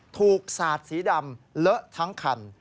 สาดสีดำเลอะทั้งคัน